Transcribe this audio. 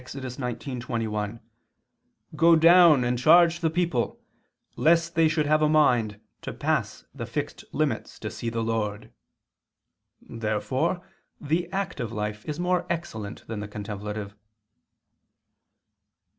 19:21), "Go down and charge the people, lest they should have a mind to pass the" fixed "limits to see the Lord." Therefore the active life is more excellent than the contemplative.